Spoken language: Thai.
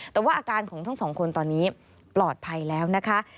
แต่ว่าอาการของทั้งสองคนตอนนี้ปลอดภัยแล้วนะคะ